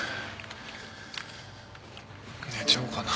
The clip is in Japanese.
寝ちゃおうかな。